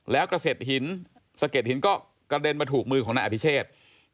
แล้วเกษตรหินสะเก็ดหินก็กระเด็นมาถูกมือของนายอภิเชษ